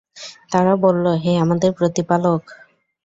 তারা বলল, হে আমাদের প্রতিপালক!